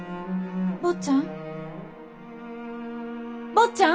坊ちゃん。